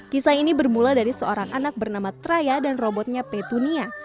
kisah ini bermula dari seorang anak bernama traya dan robotnya petunia